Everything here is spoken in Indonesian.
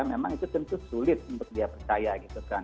memang itu tentu sulit untuk dia percaya gitu kan